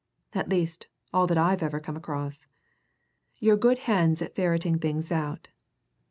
at least, all that I've ever come across. You're good hands at ferreting things out.